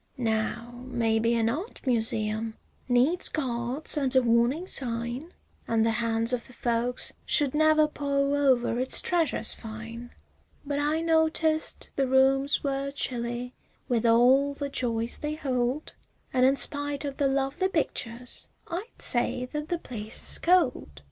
Now maybe an art museum needs guards and a warning sign An' the hands of the folks should never paw over its treasures fine; But I noticed the rooms were chilly with all the joys they hold, An' in spite of the lovely pictures, I'd say that the place is cold.